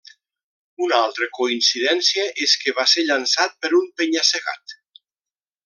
Una altra coincidència és que va ser llançat per un penya-segat.